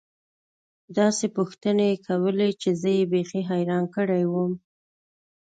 داسې پوښتنې يې کولې چې زه يې بيخي حيران کړى وم.